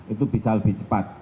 itu bisa lebih cepat